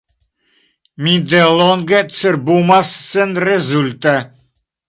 Mi delonge cerbumas senrezulte.